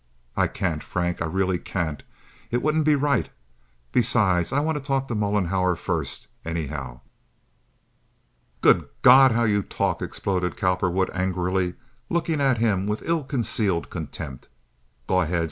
I can't, Frank. I really can't. It wouldn't be right. Besides, I want to talk to Mollenhauer first, anyhow." "Good God, how you talk!" exploded Cowperwood, angrily, looking at him with ill concealed contempt. "Go ahead!